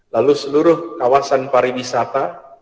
lalu seluruh kawasan pariwisata